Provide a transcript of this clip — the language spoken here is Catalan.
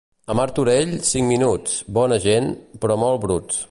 A Martorell, cinc minuts, bona gent, però molt bruts.